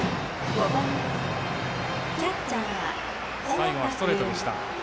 最後はストレートでした。